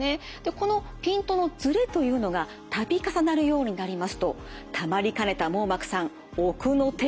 このピントのずれというのが度重なるようになりますとたまりかねた網膜さん奥の手を使います。